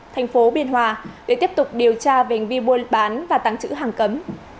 thành phố biên hòa để tiếp tục điều tra về hành vi buôn bán và tăng chữ hàng cấm